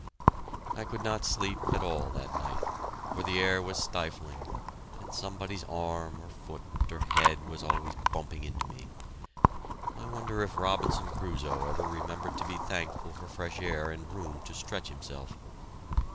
I could not sleep at all that night, for the air was stifling, and somebody's arm or foot or head was always bumping into me. I wonder if Robinson Crusoe ever remembered to be thankful for fresh air and room to stretch himself!